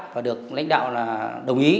và được lãnh đạo đồng ý